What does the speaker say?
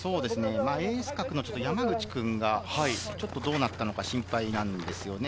エース格の山口君がどうなったのか心配なんですよね。